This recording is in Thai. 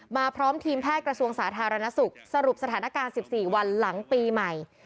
พร้อมทีมแพทย์กระทรวงสาธารณสุขสรุปสถานการณ์๑๔วันหลังปีใหม่